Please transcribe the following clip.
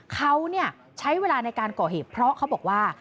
เขาใช้เวลาในการก่อเหตุเพราะเขาบอกว่า